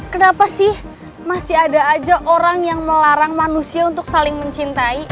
kenapa sih masih ada aja orang yang melarang manusia untuk saling mencintai